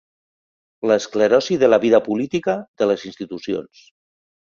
L'esclerosi de la vida política, de les institucions.